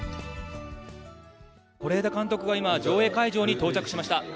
是枝監督が今、上映会場に到着しました。